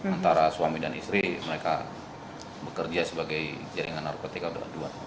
antara suami dan istri mereka bekerja sebagai jaringan narkotika udah dua tahun